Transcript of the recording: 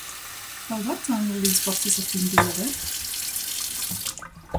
By what time will these boxes have been delivered?